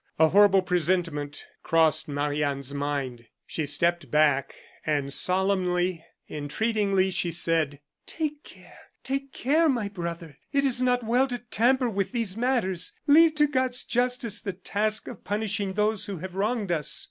A horrible presentiment crossed Marie Anne's mind. She stepped back, and solemnly, entreatingly, she said: "Take care, take care, my brother. It is not well to tamper with these matters. Leave to God's justice the task of punishing those who have wronged us."